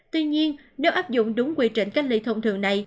tuy nhiên nếu áp dụng đúng quy trình cách ly thông thường này